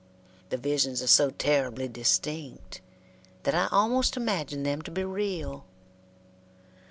The visions are so terribly distinct that I almost imagine them to be real.